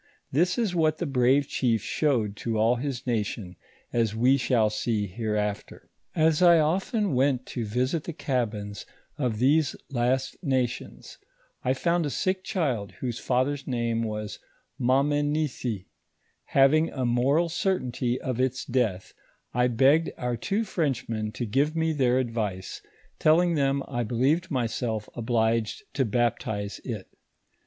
This ia what the bravo chief showed to all his nation, as wo shall see hereafter. As I often went to visit the cabins of these last nations, I found a sick child, whose father's name was Mamenisi ; having a moral certainty of its death, I begged our two Frenchmen to give mo their advice, tolling them I believed myself obliged to baptize it.